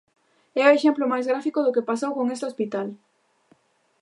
É o exemplo máis gráfico do que pasou con este hospital.